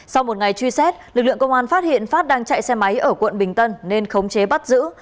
sau một ngày truy xét lực lượng công an phát hiện phát đang chạy xe máy ở quận bình tân nên khống chế bắt giữ